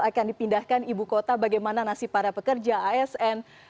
akan dipindahkan ibu kota bagaimana nasib para pekerja asn